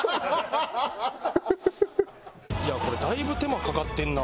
いやこれだいぶ手間かかってるな